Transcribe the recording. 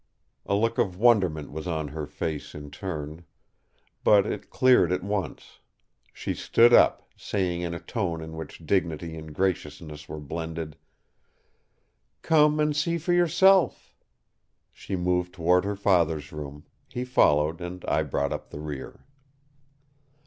A look of wonderment was on her face in turn. But it cleared at once;—she stood up, saying in a tone in which dignity and graciousness were blended: "Come and see for yourself!" She moved toward her father's room; he followed, and I brought up the rear.